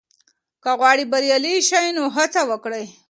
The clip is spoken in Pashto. که غواړې بریالی شې، نو هڅه وکړه.